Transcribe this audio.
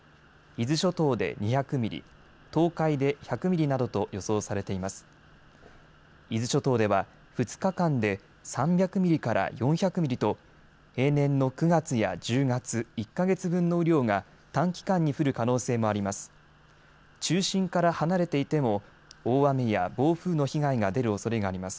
伊豆諸島では２日間で３００ミリから４００ミリと平年の９月や１０月、１か月分の雨量が短期間に降る可能性もあります。